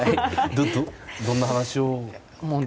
どんな話を？